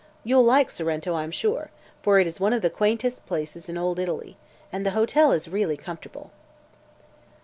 You'll like Sorrento, I'm sure, for it is one of the quaintest places in old Italy and the hotel is really comfortable."